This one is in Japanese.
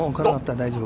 大丈夫。